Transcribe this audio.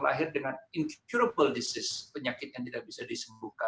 lahir dengan penyakit yang tidak bisa disembuhkan